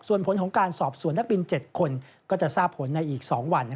ส่วนผลของการสอบสวนนักบิน๗คนก็จะทราบผลในอีก๒วัน